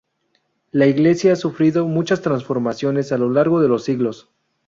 La iglesia ha sufrido muchas transformaciones a lo largo de los siglos.